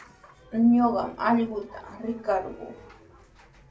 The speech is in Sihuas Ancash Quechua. Ñuqami allquta rikarquu.